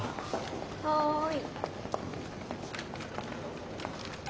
はい。